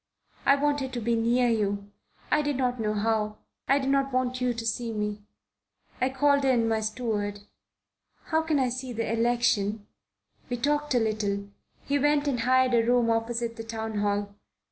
I wanted to be near you. I did not know how. I did not want you to see me. I called in my steward. 'How can I see the election?' We talked a little. He went and hired a room opposite the Town Hall.